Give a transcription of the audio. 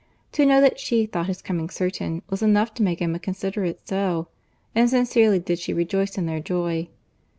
To know that she thought his coming certain was enough to make Emma consider it so, and sincerely did she rejoice in their joy.